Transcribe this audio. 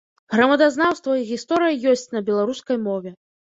Грамадазнаўства і гісторыя ёсць на беларускай мове.